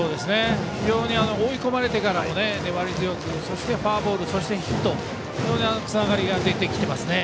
非常に追い込まれてから粘り強くそしてフォアボール、ヒットと非常につながりが出てきてますね。